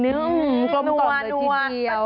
กล่องเลยที่สินีเอียว